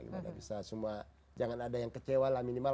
gimana bisa semua jangan ada yang kecewa lah minimal